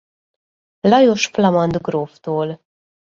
Lajos flamand gróftól.